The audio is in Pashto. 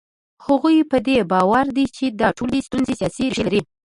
هغوی په دې باور دي چې دا ټولې ستونزې سیاسي ریښې لري.